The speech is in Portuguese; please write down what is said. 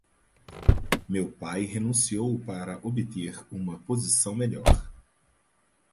Meu pai renunciou para obter uma posição melhor.